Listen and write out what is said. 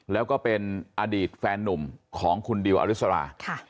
แล้วก็เป็นอดีตแฟนนุ่มของคุณดิวอริสรา